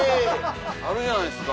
あるじゃないですか。